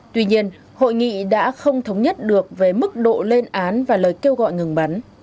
tuy nhiên hội nghị đã không thống nhất được về mức độ lên án và lời kêu gọi ngừng bắn